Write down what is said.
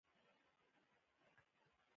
د بېړۍ چلونې بهیر هم پراخ شول.